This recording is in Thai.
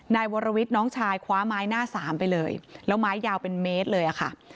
นายวรวิทย์น้องชายคว้าไม้หน้าสามไปเลยแล้วไม้ยาวเป็นเมตรเลยอะค่ะ